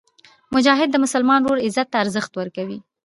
مجاهد د مسلمان ورور عزت ته ارزښت ورکوي.